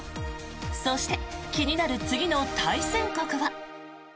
そして、気になる次の対戦国は？